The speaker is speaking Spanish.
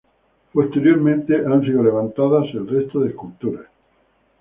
Posteriormente han sido levantadas el resto de esculturas.